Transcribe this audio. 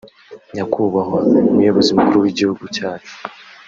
“Nyakubahwa muyobozi mukuru w’igihugu cyacu